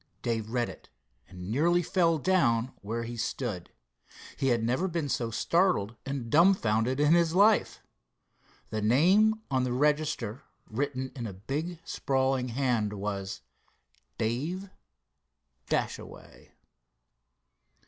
Dave read it, and nearly fell down where he stood. He had never been so startled and dumbfounded in his life. The name on the register, written in a big, sprawling hand was—— "Dave Dashaway!"